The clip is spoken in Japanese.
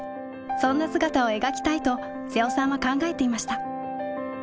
そんな姿を描きたいと瀬尾さんは考えていました。